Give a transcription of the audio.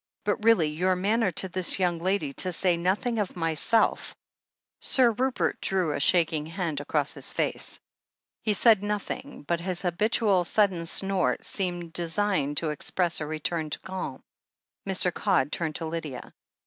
But really — ^your manner to this young lady, to say nothing of myself " Sir Rupert drew a shaking hand across his face. He said nothing, but his habitual, sudden snort seemed designed to express a return to calm. Mr. Codd turned to Lydia.